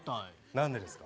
何でですか？